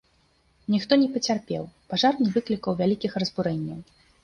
Ніхто не пацярпеў, пажар не выклікаў вялікіх разбурэнняў.